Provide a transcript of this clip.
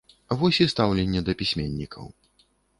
Вось і стаўленне да пісьменнікаў.